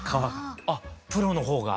あっプロの方が。